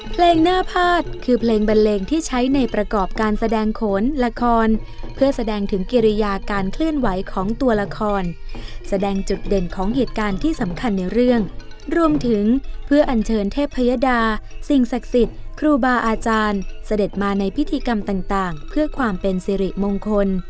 เพลงหน้าพาดคือเพลงบันเลงที่ใช้ในประกอบการแสดงโขนละครเพื่อแสดงถึงกิริยาการเคลื่อนไหวของตัวละครแสดงจุดเด่นของเหตุการณ์ที่สำคัญในเรื่องรวมถึงเพื่ออัญเชิญเทพยดาสิ่งศักดิ์สิทธิ์ครูบาอาจารย์เสด็จมาในพิธีกรรมต่างเพื่อความเป็นสิริมงคล